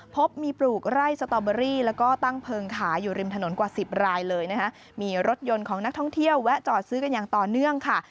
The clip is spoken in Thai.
พบมีปลูกไร่สตอเบอรี่แล้วก็ตั้งเพลิงขายอยู่ริมถนนกว่าสิบรายเลยนะคะมีรถยนต์ของนักท่องเที่ยวแวะจอดซื้อกันอย่างต่อเนื่องค่ะ